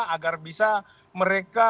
agar bisa mereka